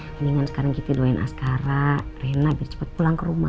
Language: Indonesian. mendingan sekarang gitu doain askara rena biar cepat pulang ke rumah